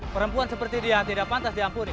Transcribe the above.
perempuan seperti dia tidak pantas diampuni